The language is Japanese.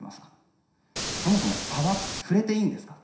そもそも触れていいんですか？